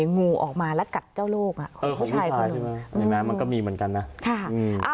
งูออกมาแล้วกัดเจ้าโลกอ่ะเออมันก็มีเหมือนกันนะค่ะ